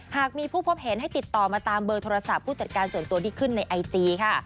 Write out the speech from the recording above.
หากมีผู้พบเห็นให้ติดต่อมาตามเบอร์โทรศัพท์ผู้จัดการส่วนตัวที่ขึ้นในไอจีค่ะ